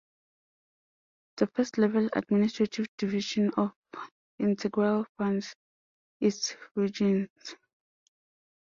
The first-level administrative division of Integral France is regions.